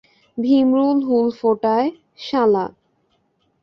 ভীমরুল হুল ফোটায়, শালা!